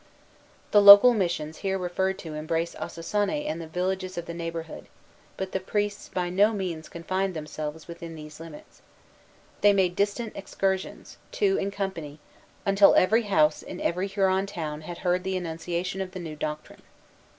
The local missions here referred to embraced Ossossané and the villages of the neighborhood; but the priests by no means confined themselves within these limits. They made distant excursions, two in company, until every house in every Huron town had heard the annunciation of the new doctrine.